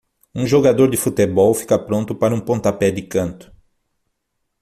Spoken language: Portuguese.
Um jogador de futebol fica pronto para um pontapé de canto.